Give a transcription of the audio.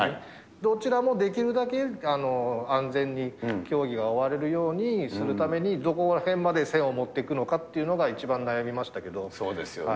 どちらもできるだけ、安全に競技が終われるようにするために、どこら辺まで線を持ってくのかっていうのが一番悩みましたけど。